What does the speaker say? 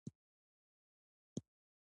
لښتې په خپلو خالونو باندې لاس کېښود.